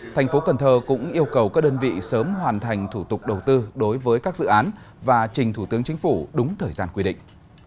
thành phố cần thơ cũng yêu cầu các đơn vị sớm hoàn thành thủ tục đầu tư đối với các dự án và trình thủ tướng chính phủ đúng thời gian quy định